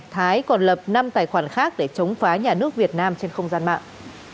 thái còn lập năm tài khoản khác để chống phá nhà nước việt nam trên không gian mạng